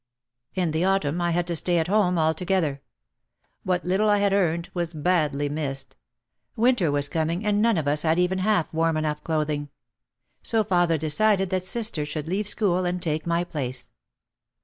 In the autumn I had to stay at home altogether. What little I had earned was badly missed. Winter was com ing and none of us had even half warm enough clothing. So father decided that sister should leave school and take my place.